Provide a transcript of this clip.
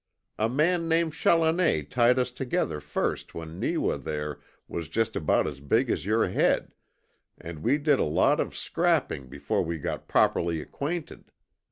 A man named Challoner tied us together first when Neewa, there, was just about as big as your head, and we did a lot of scrapping before we got properly acquainted.